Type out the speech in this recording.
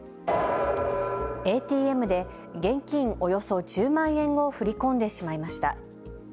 ＡＴＭで現金およそ１０万円を振り込んでしまいました。